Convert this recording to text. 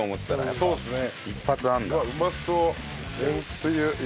まあそうですね。